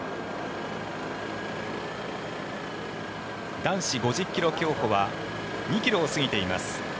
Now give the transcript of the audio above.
男子５０ｋｍ競歩は２ｋｍを過ぎています。